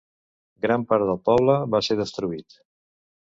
Gran part del poble va ser destruït.